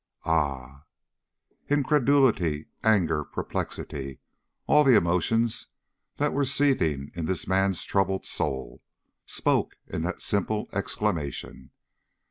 "Ah!" Incredulity, anger, perplexity, all the emotions that were seething in this man's troubled soul, spoke in that simple exclamation.